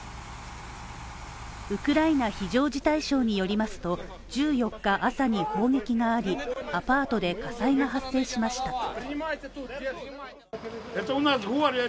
ウクライナ非常事態省によりますと、１４日朝に砲撃があり、アパートで火災が発生しました。